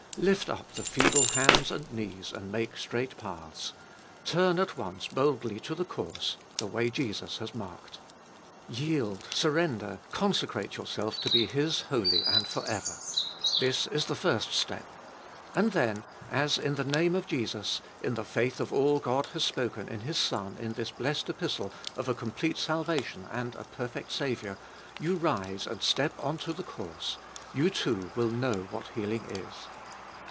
Lift up the feeble hands and knees, and make straight paths ; turn at once boldly to the course, the way Jesus has marked. Yield, surrender, consecrate yourself to be His wholly and for ever. This is the first step. And then, as in the name of Jesus, in the faith of all God has 496 abe Iboltest of ail spoken in His Son in this blessed Epistle of a complete salva tion and a perfect Saviour, you rise and step on to the course, you too will know what healing is.